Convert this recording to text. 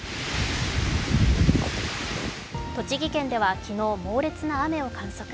栃木県では昨日、猛烈な雨を観測。